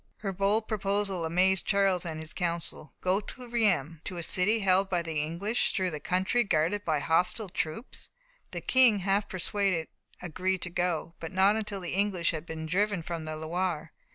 Her bold proposal amazed Charles and his council. Go to Reims, to a city held by the English, through a country guarded by hostile troops! The King, half persuaded, agreed to go, but not until the English had been driven from the Loire.